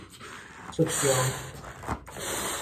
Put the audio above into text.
出恭